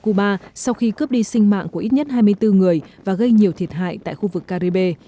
cuba sau khi cướp đi sinh mạng của ít nhất hai mươi bốn người và gây nhiều thiệt hại tại khu vực caribe